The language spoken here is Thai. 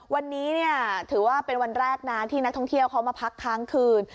วันนี้ถือว่าเป็นวันแรกนะที่นักท่องเที่ยวเขามาพักค้างคืน